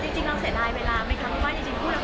จริงเราเสียดายเวลาว่าคุณคุณหนึ่งเพื่อนของเราครับ